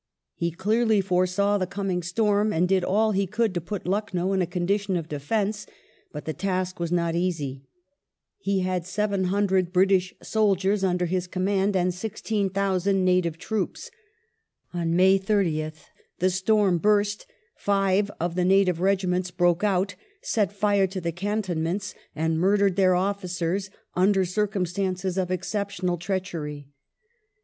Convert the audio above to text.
He clearly foresaw the coming storm, and did all he could to put Lucknow in a condition of defence, but the task was not easy. He had 700 British soldiers under his com mand, and 16,000 native troops. On May 30th the storm burst ; €ive of the native regiments broke out, set fire to the cantonments, and murdered their officers, under circumstances of exceptional treachery.